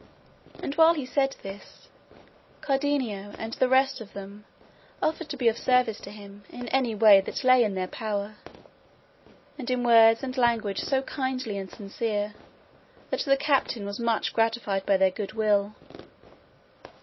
And while he said this Cardenio and the rest of them offered to be of service to him in any way that lay in their power, and in words and language so kindly and sincere that the captain was much gratified by their good will.